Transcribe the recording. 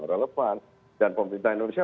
relevan dan pemerintah indonesia